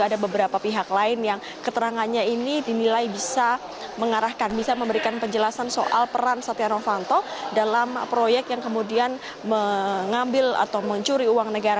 dan mengarahkan bisa memberikan penjelasan soal peran setia novanto dalam proyek yang kemudian mengambil atau mencuri uang negara